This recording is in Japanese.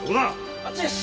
あっちです！